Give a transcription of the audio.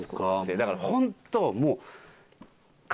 だからホントもう。